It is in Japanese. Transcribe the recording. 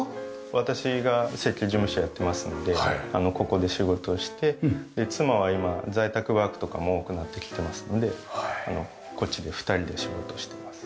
私が設計事務所やってますのでここで仕事をして妻は今在宅ワークとかも多くなってきてますのでこっちで２人で仕事をしてます。